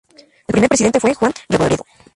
El primer presidente fue Juan Revoredo.